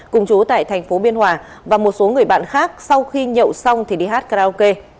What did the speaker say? cùng chú tại thành phố biên hòa và một số người bạn khác sau khi nhậu xong thì đi hát karaoke